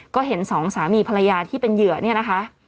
ก็เห็นสองสามีภรรยาที่เป็นเหยื่อเนี่ยนะคะ